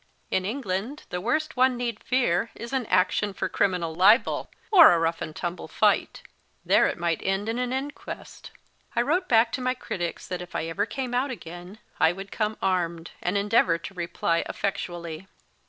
In England the worst one need fear is an action for criminal libel, or a rough and tumble fight. There it might end in an inquest. I wrote back to my critics that if I ever MORLEY ROBERTS 185 came out again, I would come armed, and endeavour to reply effectually.